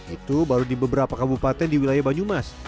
itu baru di beberapa kabupaten di wilayah banyumas